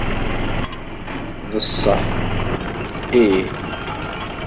D sseḥ ih.